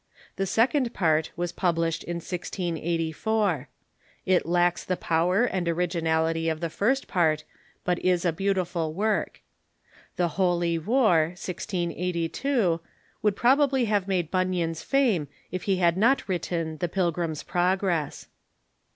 Tlie Second Part was published in 1684. It lacks the power and originality of the First Part, but is a beautiful work. " The Holy War " (1G82) would probably have made Bunyan's fame if he had not written the " Pilgrim's Progress."